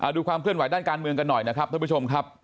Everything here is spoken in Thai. ดูความเคลื่อนไหวด้านการเมืองกันหน่อยนะครับท่านผู้ชมครับ